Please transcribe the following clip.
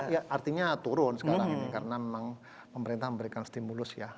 ya artinya turun sekarang ini karena memang pemerintah memberikan stimulus ya